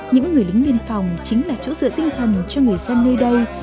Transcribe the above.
những người lính biên phòng chính là chỗ dựa tinh thần cho người dân nơi đây